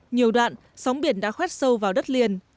nhiều đoạn sóng biển đã khoét sâu vào đất liền